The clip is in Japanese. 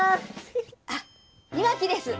あっ庭木です。